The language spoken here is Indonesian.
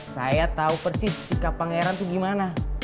saya tahu persis sikap pangeran itu gimana